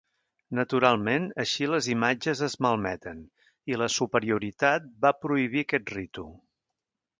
Naturalment així les imatges es malmeten i la superioritat va prohibir aquest ritu.